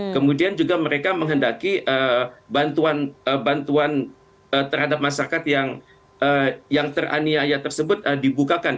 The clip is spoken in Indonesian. kemudian juga mereka menghendaki bantuan terhadap masyarakat yang teraniaya tersebut dibukakan